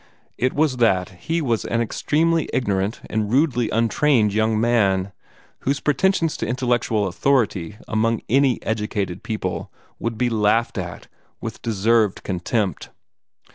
It was that he was an extremely ignorant and rudely untrained young man, whose pretensions to intellectual authority among any educated people would be laughed at with deserved contempt.